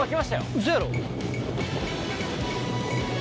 ウソやろ。